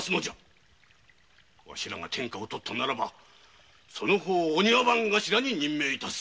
わしらが天下を奪ったならばその方をお庭番頭に任命致す。